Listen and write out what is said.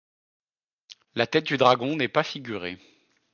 La tête du dragon n'est pas figurée.